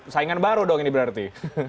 saingan baru dong ini berarti